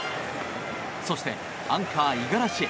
そしてアンカー五十嵐へ。